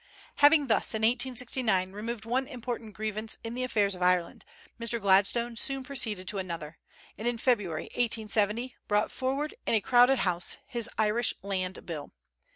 Having thus in 1869 removed one important grievance in the affairs of Ireland, Mr. Gladstone soon proceeded to another, and in February, 1870, brought forward, in a crowded House, his Irish Land Bill.